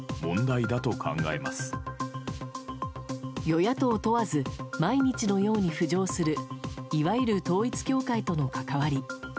与野党問わず毎日のように浮上するいわゆる統一教会との関わり。